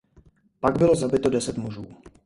Pak bylo zabito deset mužů.